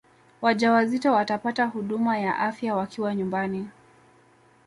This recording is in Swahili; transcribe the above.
wajawazito watapata huduma ya afya wakiwa nyumbani